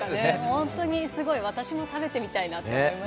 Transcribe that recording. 本当にすごい、私も食べてみたいなと思いました。